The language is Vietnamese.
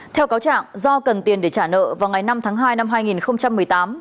theo cáo trạng do cần tiền để trả nợ vào ngày năm tháng hai năm hai nghìn một mươi tám